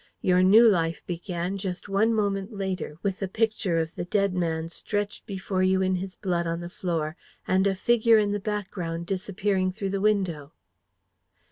Your new life began just one moment later, with the Picture of the dead man stretched before you in his blood on the floor, and a figure in the background disappearing through the window."